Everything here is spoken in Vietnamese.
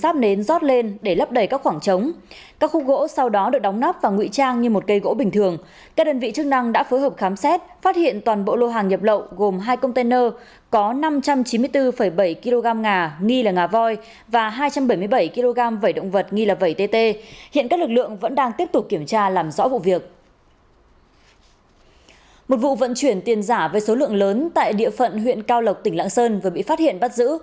một vụ vận chuyển tiền giả với số lượng lớn tại địa phận huyện cao lộc tỉnh lạng sơn vừa bị phát hiện bắt giữ